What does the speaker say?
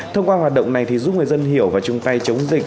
thông qua hoạt động này thì giúp người dân hiểu và chung tay chống dịch